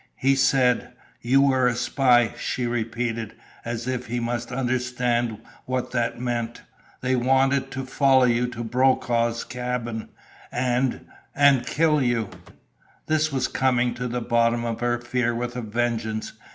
"He said you were a spy," she repeated, as if he must understand what that meant. "They wanted to follow you to Brokaw's cabin and and kill you!" This was coming to the bottom of her fear with a vengeance.